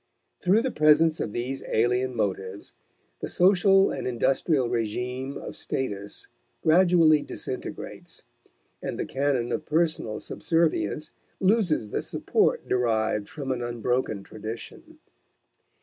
Through the presence of these alien motives the social and industrial regime of status gradually disintegrates, and the canon of personal subservience loses the support derived from an unbroken tradition.